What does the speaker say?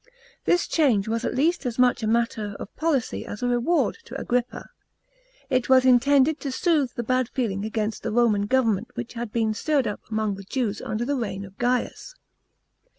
This change was at least as much a matter of policy as a reward to Agrippa. It was intended to soothe the bad feeling against the Roman government which had been stirred up among the Jews under the reign of Gaius.